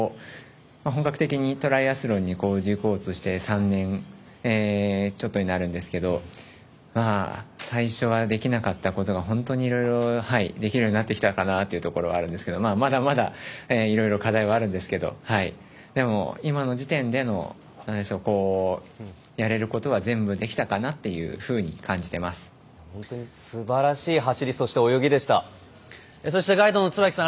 本格的にトライアスロンに挑戦して３年ちょっとになるんですけど最初はできなかったことが本当にいろいろできるようになってきたかなというところがあるんですけどまだまだいろいろ課題はあるんですけどでも、今の時点でのやれることは全部できたかなというふうに本当にすばらしい走りガイドの椿さん